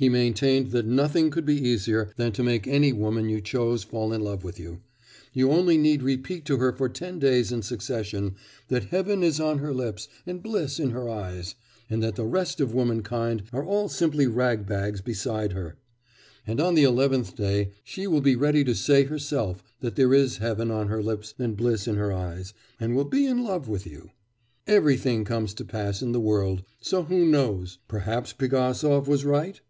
He maintained that nothing could be easier than to make any woman you chose fall in love with you; you only need repeat to her for ten days in succession that heaven is on her lips and bliss in her eyes, and that the rest of womankind are all simply rag bags beside her; and on the eleventh day she will be ready to say herself that there is heaven on her lips and bliss in her eyes, and will be in love with you. Everything comes to pass in the world; so who knows, perhaps Pigasov was right?